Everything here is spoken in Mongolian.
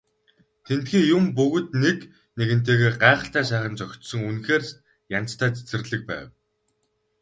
Тэндхийн юм бүгд нэг нэгэнтэйгээ гайхалтай сайхан зохицсон үнэхээр янзтай цэцэрлэг байв.